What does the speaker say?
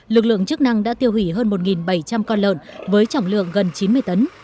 lực lượng chức năng đã tiêu hủy hơn một bảy trăm linh con lợn với trọng lượng gần chín mươi tấn